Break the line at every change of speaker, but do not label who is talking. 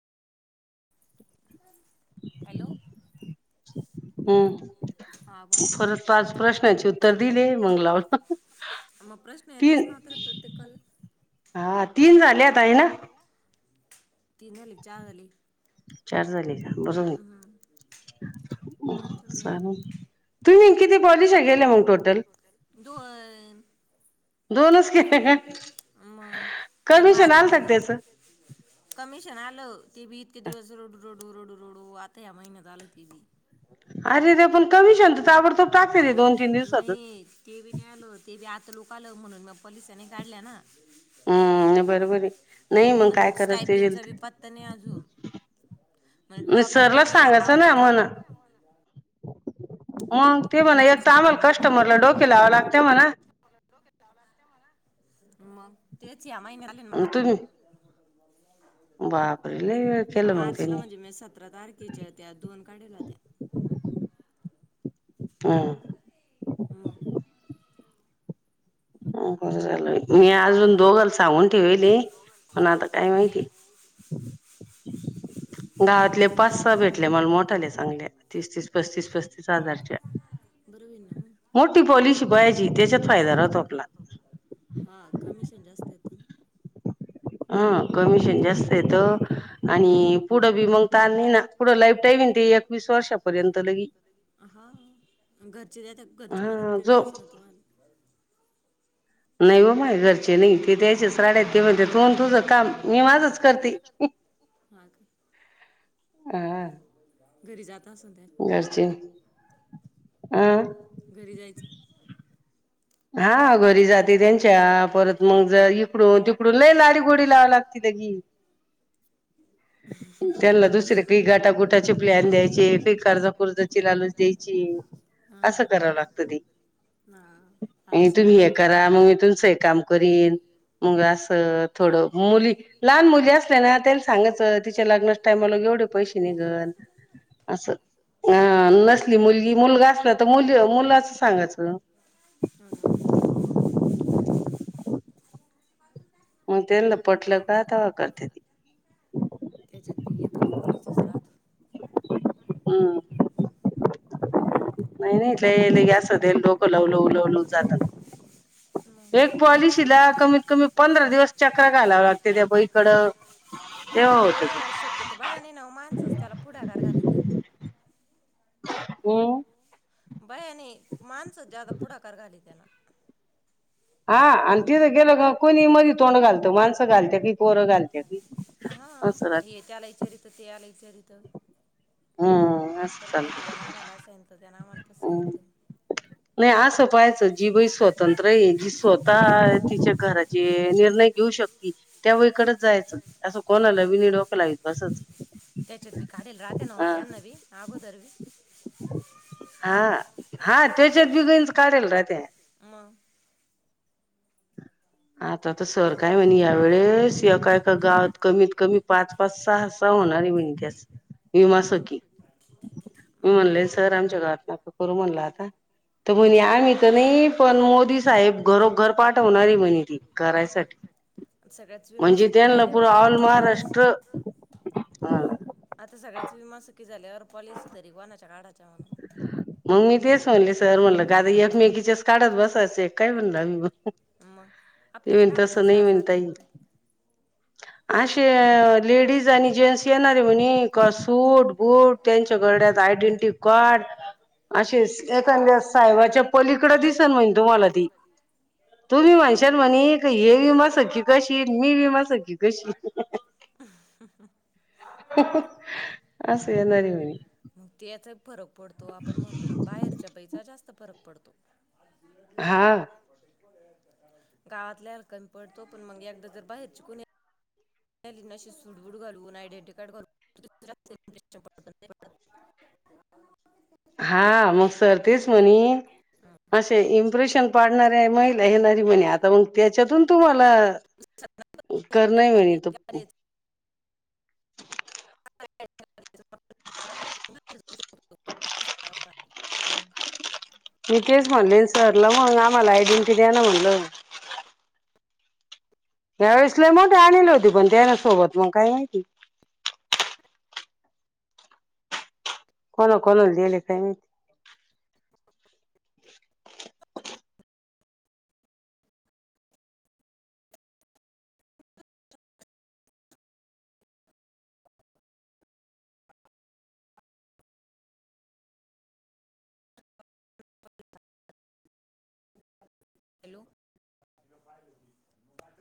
Hello
हम् परत पाच प्रश्नाचे उत्तर दिले मंग लावला. तीन हा तीन झाले आता हाय ना?
तीन झाली, चार झाली.
[inaudible] चार झाली का बस बो. तुम्ही किती पॉलिस्या केल्या मग टोटल? दोनच की हे कमिशन आलतं का त्याच?
ते बी इतके दिवस [unintelligible] रोडू रोडू रोडू आता या महिन्यात आलेय ते बी.
अरे ते पण
नाही ती पण न्ह्यालो ती पण आ [unintelligible]
हम्म बरोबर आहे नाही मग काय करायच मग सरला सांगायचं ना मग मग ते म्हणे एक तर आम्हाला कस्टमरला डोके लावावे लागते म्हना.
मग ते [unintelligible] मार्चला म्हणजे मी सतरा तारखेच्या त्या दोन काडेला होत्या.
हा
[inaudible]
हो बर झालय. मी अजून दोघाल सांगून ठेवले, पण आता काय माहिती गाळातले पाच सहा भेटले मला मोठाले सांगले तीस तीस पस्तीस पस्तीस.
बरं होईल ना मग, [unintelligible] हा कमिशन जास्त येत ना.
हा कमिशन जास्त येत आणि पुढं बी मग त्याना पुढं लाईफ टाईमन ते एकवीस वर्षापर्यंत लई हा जो नाही हो माज्या घरचे नई ते त्यायचेच राड्यात ते म्हणते तू अन तुझं काम मी माझच करते. हा
घरी जात
घरचे आ हा घरी जाते त्यांच्या परत मग ज इकडून तिकडून लय लाडी गोडी लावावी लागते तशी. त्यांना दुसरे काही गाटागुटाचे प्लॅन द्यायचे काही कर्जा पुरताची लालच द्यायची असं करावं लागत ती. तुम्ही हे करा मग मी तुमचं हे काम करीन मग असं थोडं मुली लहान मुली असल्या ना त्याला सांगाचं तिच्या लग्नास टायमाला एवढे पैसे निघल असं नसली मुलगी मुलगा असला तर मुला मुलाच सांगायच. म तेना पटल का तवा करत्याती
तसच राहतं.
हम्म नाही नाही
[unintelligible] बया शक्यतो बाया नाही ना माणसच त्याला पुढाकार घालीत त्यां
ओ
बयानी मान च ज्यादा पुढाकार घाली त्यांना
हा आणि तिथं गेलं का कोणी मधी तोंड घालत माणसं घालत्याती कि पोर घालत्याती अस
तर [unintelligible] परत म्हणती यान आमाला असंन त त्यान आमाल
नाही असं पाहाचं जी बाई स्वतंत्र आहे जी स्व ताय तिच्या घराचे निर्णय घेऊ शकती त्या वळीकडचं जायचं असं कोणाला बी डोक लावीत बसायच हा हा हात
मग.
आत ता तर सर काय म्हणी या वेळेस एका एका गावात कमीत कमी पाच पाच सहा सहा होणारी म्हणी त्यास विमासखी मी म्हणले सर आमच्या गावात नका करू म्हणल आता, तर म्हणी आम्ही तर नई पण मोदी साहेब घरोघर पाठवणारी म्हणी त्यासाठी म्हणजे त्यांना पूरा ऑल महाराष्ट्र ह
आता सगळ्याच विमा सुकी झाल्यावर पॉलिसी तरी कोणाच्या काडा
मग मी तेच म्हणले सर म्हणल का आता एकमेकीच्याच काढत बसायचंय काय म्हणल मी पण ते म्हण तस नाही म्हण ताई असे लेडीज आणि जेंट्स येणार ते म्हणे का सूट बूट त्यांच्यागड्यात आयडेंटी काढ असे एखाद्या साहेबाच्या पलीकड दिसन म्हणे तुम्हाला ती तुम्ही म्हणशाल म्हणे हे विमा सखी कशी, मी विमा सखी कशी
[unintelligible] त्येचा फरक पडतो आपण म्हणतो पण बाहेरच्या पैचा जास्त परक पडतो
हा
गावातल्या कम पडतो पण मग एकदां जर बाहेरचि कुणी चालली अशी सूट- बूट घालून, आयडेंटिटी कार्ड घा
आपला कर नाही म्हणे त
[unintelligible]
मी तेच म्हणले सरला म्हणलं, मग आम्हाला आयडेंटि द्याना म्हणलं त्यावेेळेस ला मोठे आलेलले होते पण त्याना सोबत मग काय माहिती कोणा कोणाला दिले काय माहिती
हॅलो [inaudible]